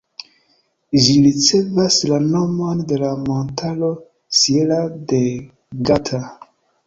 Ĝi ricevas la nomon de la montaro Sierra de Gata.